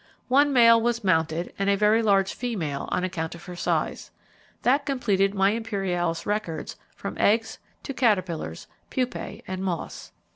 One male was mounted and a very large female on account of her size. That completed my Imperialis records from eggs to caterpillars, pupae and moths.